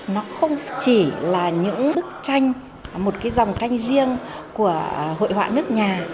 nó không chỉ là những bức tranh một cái dòng tranh riêng của hội họa nước nhà